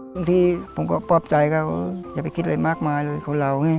บางทีผมก็ปลอบใจเขาอย่าไปคิดอะไรมากมายเลยคนเราไง